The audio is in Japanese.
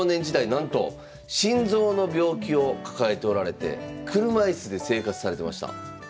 なんと心臓の病気を抱えておられて車椅子で生活されてました。